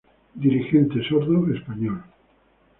Dirigente sordo español.